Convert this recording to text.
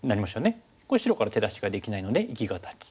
これ白から手出しができないので生き形。